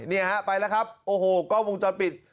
นี่ฮะไปแล้วครับโอ้โหกล้องวงจรปิด